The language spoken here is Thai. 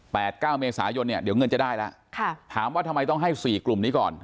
เก้าเมษายนเนี่ยเดี๋ยวเงินจะได้แล้วค่ะถามว่าทำไมต้องให้สี่กลุ่มนี้ก่อน